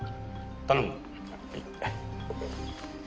頼む。